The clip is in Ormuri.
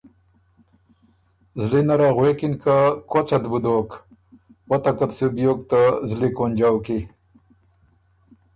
زلی نره غوېکِن که کؤڅ ات بُو دوک، وتکت سُو بیوک ته زلی کونجؤ کی۔